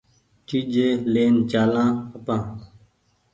چيجي لين چآلآن آپان